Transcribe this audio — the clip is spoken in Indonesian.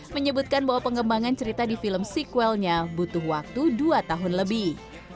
menyebutkan bahwa pengembangan cerita di film sequelnya butuh waktu dua tahun lebih